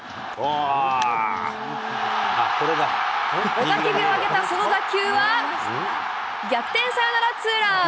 雄たけびを上げたその打球は、逆転サヨナラツーラン。